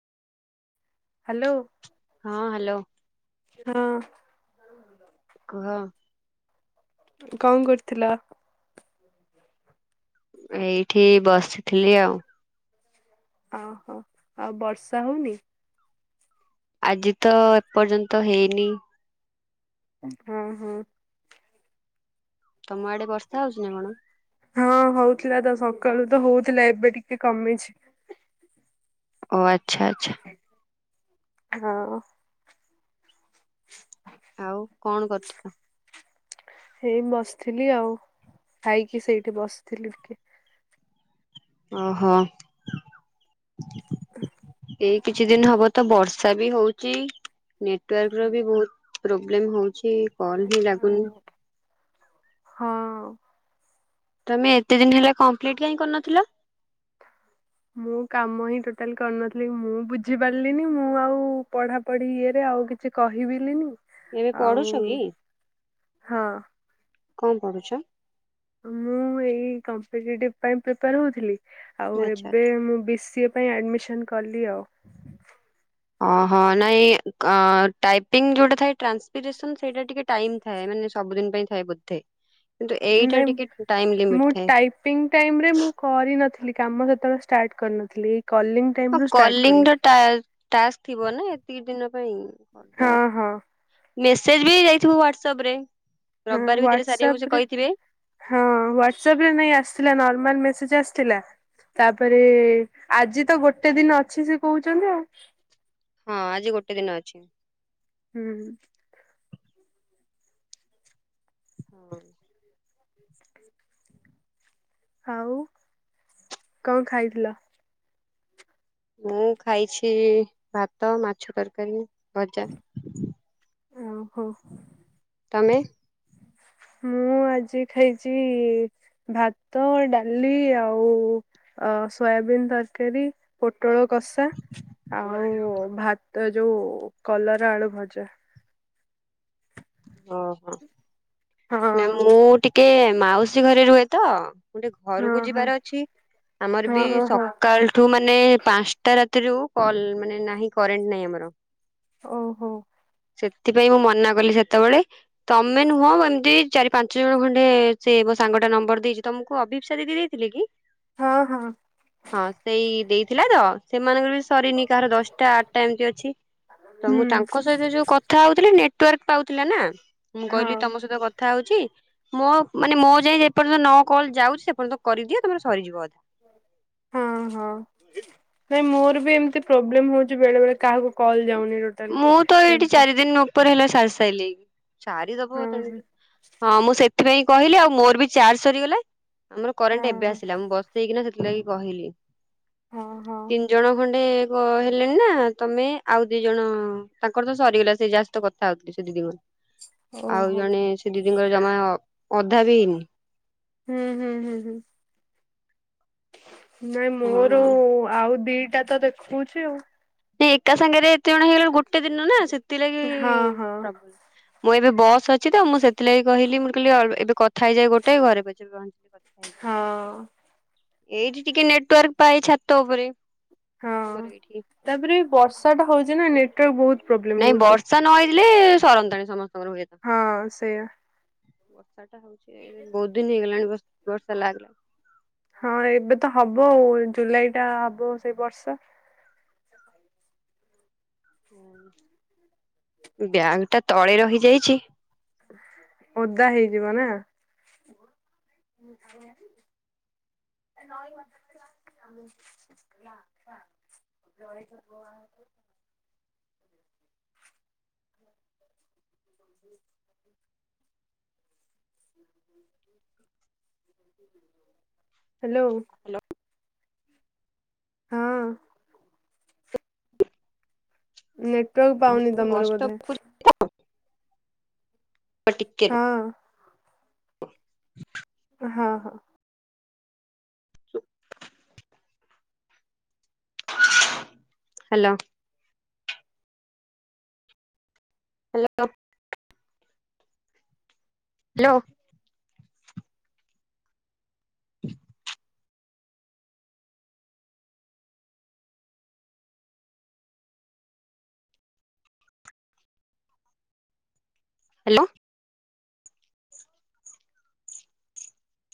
Hello. ହଁ hello. ହଁ। କୁହ। କଁ କରୁଥିଲ? ଏଇଠି ବସିଥିଲି ଆଉ। ଓହୋ ଆଉ ବର୍ଷା ହଉନି? ଆଜିତ ଏପର୍ଯ୍ୟନ୍ତ ହେଇନି। ହଁ ହଁ। ତମଆଡ଼େ ବର୍ଷା ହଉଚିନା କଣ? ହଁ ହଉଥିଲାତ ସକାଳୁତ ହଉଥିଲା ଏବେ ଟିକେ କମିଚି‌। ଓ ଆଚ୍ଛା ଆଚ୍ଛା। ହଁ। ଆଉ କଣ କରୁଥିଲ? ହେଇ ବସିଥିଲି ଆଉ ଖାଇକି ସେଇଠି ବସିଥିଲି ଟିକେ। ଓହୋ। [inaudible] ଏଇ କିଛି ଦିନ ହବତ ବର୍ଷାବି ହଉଚି ନେଟୱାର୍କର ବି ବହୁତ୍ ପ୍ରୋବ୍ଲେମ୍ ହଉଚି କଲହିଁ ଲାଗୁନି। ହଁ। ତମେ ଏତେ ଦିନ ହେଲା କମ୍ପ୍ଲିଟ୍ କାହିଁ କରିନଥିଲ? ମୁଁ କାମ ହିଁ ଟୋଟାଲି କରିନଥିଲି ମୁଁ ବୁଝିପାରିଲିନି ମୁଁ ଆଉ ପଢା ପଢି ଇଏରେ ଆଉ କିଛି କହିବିଲିିନି ଏବେ ପଢୁଛକି ହଁ କଁ ପଢୁଛ? ମୁଁ ଏଇ କମ୍ପିଟେଟିଭ ପାଇଁ ପ୍ରିପେୟାର ହଉଥିଲି ଆଉ ଆଚ୍ଛା ଏବେ ଆଚ୍ଛା ମୁଁ ବି ସି ପାଇଁ ଆଡ଼ମିସନ୍ କଲି ଆଉ। ଓହୋ ନାଇଁ ଆଁ ଟାଇପିଙ୍ଗ ଯୋଉଟା ଥାଏ ଟ୍ରାନ୍ସପିରେସନ ସେଇଟା ଟିକେ ଟାଇମ୍ ଥାଏ ମାନେ ସବୁଦିନ ପାଇଁ ଥାଏ ବୋଧେ [inaudible] କିନ୍ତୁ ଏଇଟା ଟିକେ ଟାଇମ୍ ଲିମିଟ୍ ଥାଏ। ସ୍ପିଙ୍ଗ ଟାଇମରେ ମୁଁ କରିନଥିଲି କାମ ସେତେବେଳେ ଷ୍ଟାର୍ଟ କରିନଥିଲି ଏଇ କଲିଙ୍ଗ ହଁ କଲିଙ୍ଗିର ଟ୍ୟାକ୍ସ ଥିବନା ଏତିକି ଦିନ ପାଇଁ ହଁ କରିଦବା କଥା ହଁ ମେସେଜବି ଯାଇଥିବ ହ୍ଵାଟସାପରେ। ହଁ ହ୍ଵାଟସାପରେ ହଁ ହ୍ଵାଟସଆପରେ ନାଇଁ ଆସିଥିଲା ନର୍ମାଲ ମେସେଜ ଆସିଥିଲା ତାପରେ ଆଜିତ ଗୋଟେ ଦିନ ଅଛି ସେକହୁଚନ୍ତି ଆଉ। ହଁ ଆଜି ଗୋଟେ ଦିନ ଅଛି। ହୁଁ। ହଁ। [inaudible] ଆଉ କଁ ଖାଇଥିଲ? ମୁଁ ଖାଇଛି ଭାତ ମାଛ ତରକାରୀ ଭଜା। ଓହୋ‌ ତମେ? ମୁଁ ଆଜି ଖାଇଚି ଭାତ ଡାଲି ଆଉ ଅ, ସୋୟାବିିନ ତରକାରୀ, ପୋଟଳ କଷା। ଆଉ ଭାତ, ଯୋଉ କଲରା ଆଳୁ ଭଜା। ଓହୋ। ନା, ହଁ ମୁଁ ଟିକେ ମାଉସୀ ଘରେ ରୁହେ ତ। ମୁଁ ଟିକେ ହଁ ଘରକୁ ହଁ ଯିବାର ଅଛି, ଆମର ହଁ ବି ଓହୋ ସକାଳ ଠୁ ମାନେ ପାଞ୍ଚଟା ରାତିରୁ, କଲ ମାନେ, ନାହିଁ କରେଣ୍ଟ ନାହିଁ ଆମର। ଓହୋ। ସେଥିପାଇଁ ମୁଁ ମନା କଲି ସେତେବେଳେ। ତମେ ନୁହଁ, ଏମିତି ଚାରି ପାଞ୍ଚ ଜଣ ଖଣ୍ଡେ, ସେ ମୋ ସାଙ୍ଗ ଟା ନମ୍ବର ଦେଇଛି ତମକୁ, ଅଭିପ୍ସା ଦିଦି ଦେଇ ଥିଲେ କି? ହଁ ହଁ। ହଁ, ସେଇ ଦେଇଥିଲା ତ ସେମାନଙ୍କର ବି ସରିନି, କାହାର ଦଶଟା, ଆଠଟା ଏମିତି ଅଛି, ତ ହୁଁ ମୁଁ ତାଙ୍କ ସହିତ ଯୋଉ କଥା ହଉଥିଲି, ନେଟୱାର୍କ କଥା ହେଉଥିଲା ନା, ମୁଁ ହଁ କହିଲି ତମ ସହିତ କଥା ହଉଛି ମୋ ମାନେ ମୋ ଯାଏ ଯେ ପର୍ଯ୍ୟନ୍ତ ନ କଲ୍ ଯାଉଛି, ସେ ପର୍ଯ୍ୟନ୍ତ କରିଦିଅ, ତମର ସରିଯିବ ଅଧେ। ହଁ ହଁ। ନାଇଁ, ମୋର ବି ଏମିତି ପ୍ରୋବ୍ଲେମ୍ ହଉଛି, ବେଳେ ବେଳେ କାହାକୁ କଲ୍ ଯାଉନି। ଟୋଟାଲି। ମୁଁ ତ ଏଇଠି ଏବେ ଚାରି ଦିନି ଉପରେ ହେଲା ସାରି ହଁ ସାଇଲେଇଁ। ହଁ, ମୁଁ ସେଥିପାଇଁ କହିଲି ଆଉ ମୋର ବି ଚାର୍ଜ ସରିଗଲା, ଆମର କରେଣ୍ଟ୍ ହଁ ଏବେ ହଁ ଆସିଲା। ମୁଁ ସେଇକିନା ସେଥିଲାଗି କହିଲି। ହଁ ହଁ ହଁ ତିନି ଜଣ ଖଣ୍ଡେ କହିଲି ନା, ତମେ ଆଉ ଦେଇ ଦି ଜଣ ତାଙ୍କର ତ ସରିଗଲା, ସେ ଯା ସହିତ କଥା ହଉଥିଲି, ସେ ଦିଦିଙ୍କର, ଆଉ ଓହୋ ଜଣେ ସେ ଦିଦିଙ୍କର ଜମା ଅଧା ବି ହେଇନି। ହୁଁ ହୁଁ ହୁଁ ହୁଁ। ନାଇଁ, ହଁ ମୋର ଆଉ ଦିଟା ତ ଦେଖଉଛି ଆଉ। ଏକା ସାଙ୍ଗରେ ଏତେ ଜଣ ହେଇଗଲାବେଳକୁ, ଗୋଟେ ଦିନ ନା, ସେଥିଲାଗି ଆଉ ହଁ ହଁ ପ୍ରବ୍ଲେମ୍। ମୁଁ ଏବେ ବସ୍ ଅଛି ତ, ମୁଁ ସେଥିଲାଗି କହିଲି, ମୁଁ କହିଲି ଏବେ କଥା ହେଇଯାଏ ଗୋଟଏ, ଘରେ [inaudible] ହଁ। ଏଇଠି ଟିକେ ନେଟୱାର୍କ ପାଏ, ଛାତ ଉପରେ। ହଁ, ଆମର ଏଇଠି। ତାପରେ ବର୍ଷା ଟା ହଉଛି ନା ନେଟୱାର୍କ ବହୁତ ପ୍ରୋବ୍ଲେମ ନାଇଁ ହଉଛି। ବର୍ଷା ନ ହେଇଥିଲେ ସରନ୍ତାଣି ସମସ୍ତଙ୍କର ହୁଏତ। ହଁ, ସେଇଆ। [inaudible] ବହୁତ ଦିନ ହେଇଗଲାଣି ବର୍ଷା ଲାଗିଲା। ହଁ, ଏବେ ତ ହବ ଆଉ। ଜୁଲାଇ ଟା ହବ, ସେଇ ବର୍ଷା। ବ୍ୟାଗଟା ତଳେ ରହିଯାଇଛି। ଓଦା ହେଇଯିବ ନା। [inaudible] [inaudible] ହ ହ୍ୟାଲୋ। ହଁ। ନେଟୱାର୍କ ପାଉନି ତମର ବଧେ। ଆଉ ଟିକେ ରୁହ। ହଁ। ହ ହଁ ହଁ। ହ୍ୟାଲୋ। ହ୍ୟାଲୋ। ହ୍ୟାଲୋ। [unintelligible] ହ୍ୟାଲୋ।